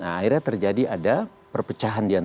akhirnya terjadi ada perpecahan di atasnya